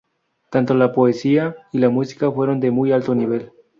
Tanto la poesía y la música fueron de muy alto nivel.